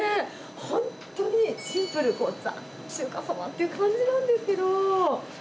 本当にシンプル、ザ・中華そばっていう感じなんですけど。